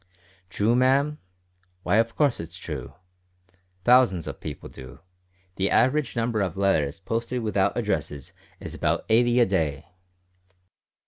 "True, ma'am? why, of course it's true. Thousands of people do. The average number of letters posted without addresses is about eighty a day."